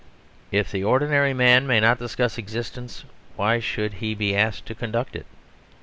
If the ordinary man may not discuss existence, why should he be asked to conduct it?